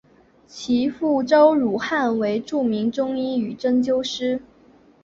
其父周汝汉为著名中医与针灸师。